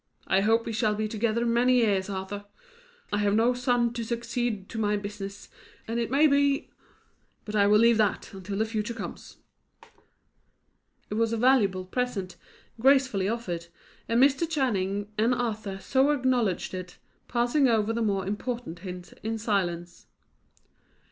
I hope we shall be together many years, Arthur. I have no son to succeed to my business, and it may be But I will leave that until the future comes." It was a valuable present gracefully offered, and Mr. Channing and Arthur so acknowledged it, passing over the more important hint in silence.